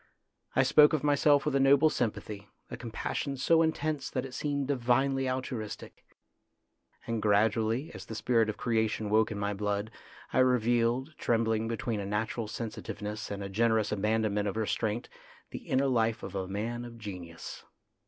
I spoke of myself with a noble sympathy, a compassion 260 THE GREAT MAN so intense that it seemed divinely altruistic. And gradually, as the spirit of creation woke in my blood, I revealed, trembling between a natural sensitiveness and a generous abandon ment of restraint, the inner life of a man of genius.